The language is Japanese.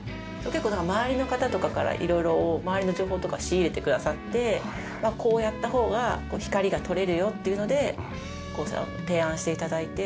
結構周りの方とかから色々周りの情報とか仕入れてくださってまあこうやった方が光が採れるよっていうので提案して頂いて。